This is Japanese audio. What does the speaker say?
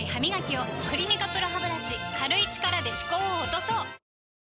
「クリニカＰＲＯハブラシ」軽い力で歯垢を落とそう！